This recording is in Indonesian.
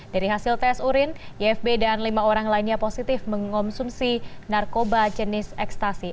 dari hasil tes urin yfb dan lima orang lainnya positif mengonsumsi narkoba jenis ekstasi